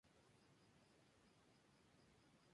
La capital es la ciudad de Kamianka-Buzka.